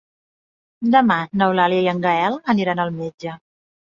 Demà n'Eulàlia i en Gaël aniran al metge.